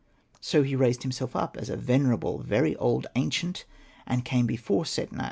So he raised himself up as a venerable, very old, ancient, and came before Setna.